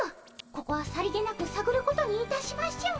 ここはさりげなくさぐることにいたしましょう。